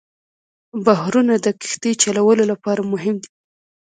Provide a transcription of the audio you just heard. بحرونه د کښتۍ چلولو لپاره مهم دي.